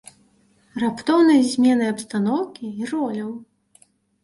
Раптоўнай зменай абстаноўкі і роляў.